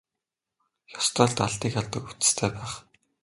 Ёстой л далдыг хардаг увдистай байх.